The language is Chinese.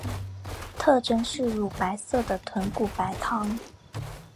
特征是乳白色的豚骨白汤。